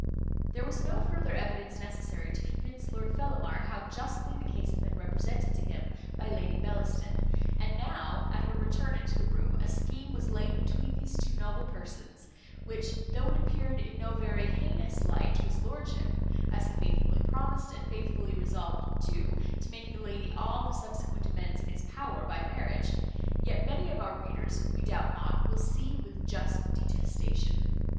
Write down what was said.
There was no farther evidence necessary to convince Lord Fellamar how justly the case had been represented to him by Lady Bellaston; and now, at her return into the room, a scheme was laid between these two noble persons, which, though it appeared in no very heinous light to his lordship (as he faithfully promised, and faithfully resolved too, to make the lady all the subsequent amends in his power by marriage), yet many of our readers, we doubt not, will see with just detestation.